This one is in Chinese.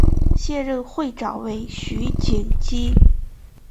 现任会长为余锦基。